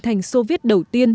thành soviet đầu tiên